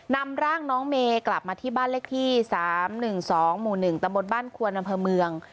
นำร่างน้องเมย์กลับมาที่บ้านเลขที่๓๑๒หมู่๑ตำบลบ้านควนอำเภอเมือง